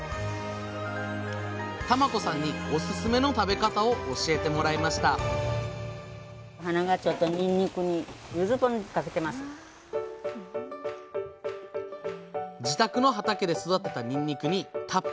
玉子さんにオススメの食べ方を教えてもらいました自宅の畑で育てたにんにくにたっぷりのかつお節。